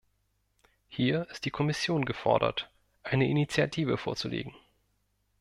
Hier ist die Kommission gefordert, eine Initiative vorzulegen.